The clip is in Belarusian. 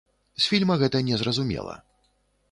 З фільма гэта не зразумела.